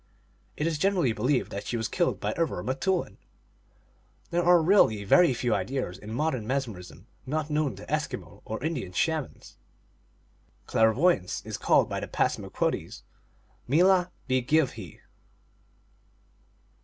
It is generally believed that she was killed by other m teoulin. There are really very few ideas in modern mesmer ism not known to Eskimo or Indian Shamans. Clair voyance is called by the Passamaquoddies Meelah bi give he.